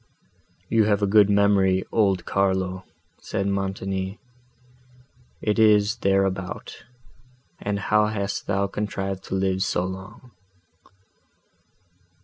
"You have a good memory, old Carlo," said Montoni: "it is thereabout; and how hast thou contrived to live so long?"